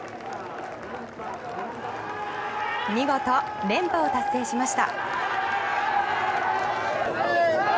見事、連覇を達成しました。